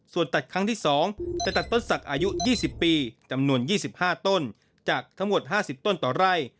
ส่วนตัดครั้งที่๒จะตัดต้นศักดิ์อายุ๒๐ปีจำนวน๒๕ต้นจากทั้งหมด๕๐ต้นต่อไร่